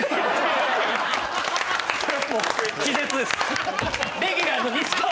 気絶です。